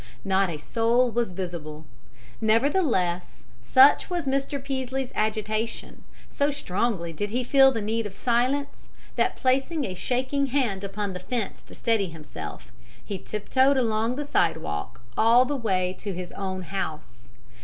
Not a soul was visible. Nevertheless, such was Mr. Peaslee's agitation, so strongly did he feel the need of silence, that, placing a shaking hand upon the fence to steady himself, he tiptoed along the sidewalk all the way to his own house.